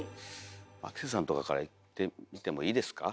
牧瀬さんとかからいってみてもいいですか？